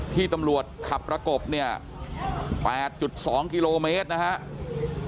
ที่ตำรวจขับประกบเนี่ย๘๒กิโลเมตรนะครับ